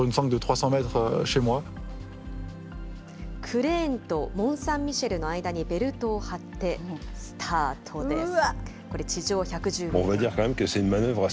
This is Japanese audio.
クレーンとモンサンミシェルの間にベルトを張って、スタートです。